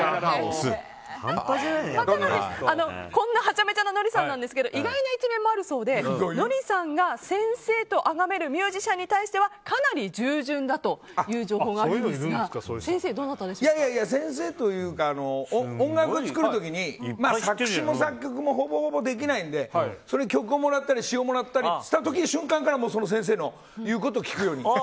こんなはちゃめちゃなノリさんなんですが意外な一面もあるそうでノリさんが先生とあがめるミュージシャンに対してはかなり従順だという情報があるんですが音楽を作る時に作詞も作曲もほぼほぼできないので曲をもらったり詞をもらったりした瞬間から先生の言うことを聞くように。